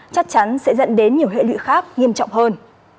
chắc chắn sẽ dẫn đến nhiều hệ lụy khác nghiêm trọng hơn